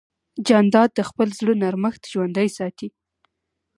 جانداد د خپل زړه نرمښت ژوندی ساتي.